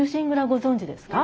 ご存じですか？